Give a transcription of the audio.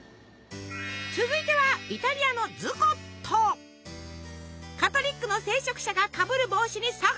続いてはイタリアのカトリックの聖職者がかぶる帽子にそっくり！